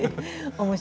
面白い。